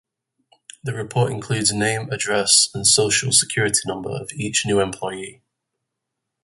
The report includes name, address and Social Security number of each new employee.